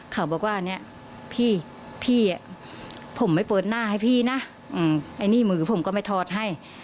เขาบอกว่าเนี่ยพี่ผมไม่เปิดหน้าให้พี่นะไอ้นี่มือผมก็ไม่ทอดให้